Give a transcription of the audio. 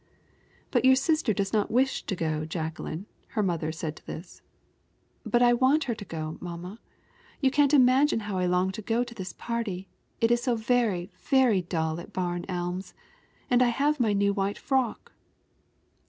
"But your sister does not wish to go, Jacqueline," her mother said to this. "But I want her to go, mamma. You can't imagine how I long to go to this party. It is so very, very dull at Barn Elms and I have my new white frock."